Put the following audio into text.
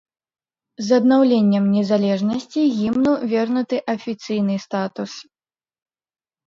З аднаўленнем незалежнасці гімну вернуты афіцыйны статус.